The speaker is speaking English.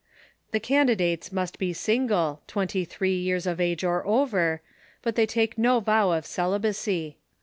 The candidates must be single, twenty three years of age or over, but they take no vow of celibacy.